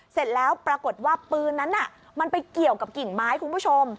เสร็จแล้วปรากฏว่าปืนนั้นมันไปเกี่ยวกับกิ่งไม้คุณผู้ชม